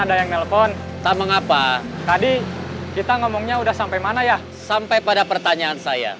ada yang nelpon entah mengapa tadi kita ngomongnya udah sampai mana ya sampai pada pertanyaan saya